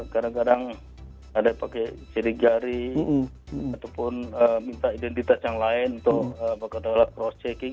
kadang kadang ada yang pakai sidik jari ataupun minta identitas yang lain untuk bekerja cross checking